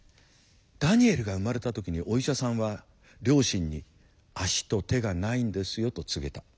ダニエルが生まれた時にお医者さんは両親に「足と手がないんですよ」と告げた。